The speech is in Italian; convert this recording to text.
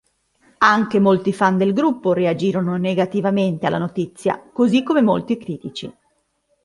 Anche molti fan del gruppo reagirono negativamente alla notizia, così come molti critici.